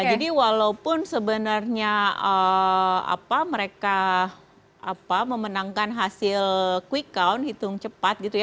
jadi walaupun sebenarnya mereka memenangkan hasil quick count hitung cepat gitu ya